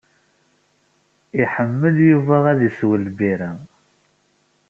Iḥemmel Yuba ad isew lbirra.